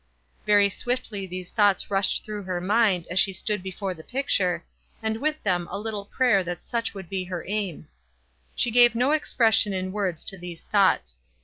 Very swiftly these thoughts rushed through her mind as she stood before the pic ture, and with them a little prayer that such should be her aim. She gave no expression in words to these thoughts.